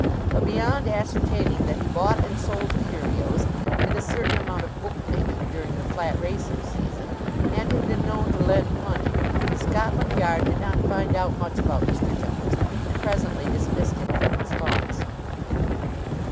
But beyond ascertaining that he bought and sold curios, did a certain amount of bookmaking during the flat racing season, and had been known to lend money, Scotland Yard did not find out much about Mr. Jones and presently dismissed him from its thoughts.